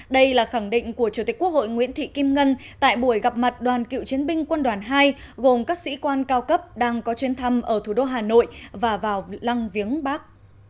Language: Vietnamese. đây là khẳng định của chủ tịch quốc hội nguyễn thị kim ngân tại buổi gặp mặt đoàn cựu chiến binh quân đoàn hai gồm các sĩ quan cao cấp đang có chuyến thăm ở thủ đô hà nội và vào lăng viếng bắc